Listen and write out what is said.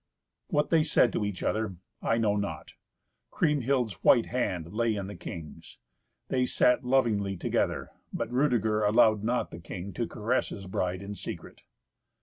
What they said to each other I know not. Kriemhild's white hand lay in the king's. They sat lovingly together, but Rudeger allowed not the king to caress his bride in secret.